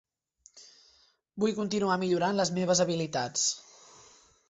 Vull continuar millorant les meves habilitats.